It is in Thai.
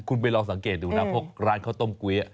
คุณไปสังเกตดูนะร้านเขาต้มก๊วย